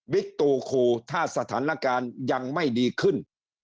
ตูขู่ถ้าสถานการณ์ยังไม่ดีขึ้น